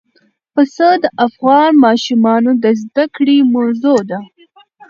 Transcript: پسه د افغان ماشومانو د زده کړې موضوع ده.